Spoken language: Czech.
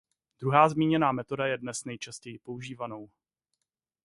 Druhá zmíněná metoda je dnes nejčastěji používanou.